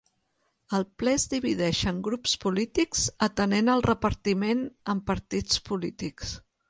El ple es divideix en grups polítics atenent al repartiment en partits polítics.